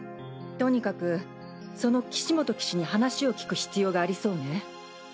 とにかくその岸本棋士に話を聞く必要がありそうね。